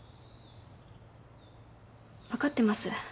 分かってます